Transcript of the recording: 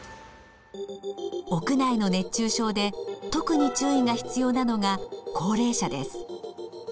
屋内の熱中症で特に注意が必要なのが高齢者です。